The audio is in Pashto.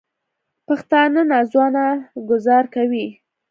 پښتانه نا ځوانه ګوزار کوي